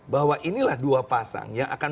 bahwa inilah dua pasang yang akan